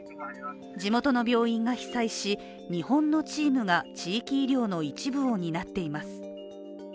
地元の病院が被災し、日本のチームが地域医療の一部を担っています。